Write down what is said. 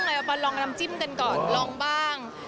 เรามาลองน้ำจิ้มกันก่อนลองบ้าง